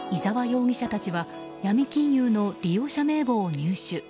容疑者たちはヤミ金融の利用者名簿を入手。